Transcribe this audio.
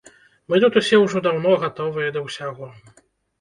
Мы тут усе ўжо даўно гатовыя да ўсяго.